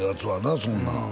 そんなん